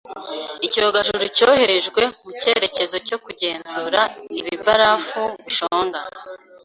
Icyogajuru cyoherejwe mu cyerekezo cyo kugenzura ibibarafu bishonga.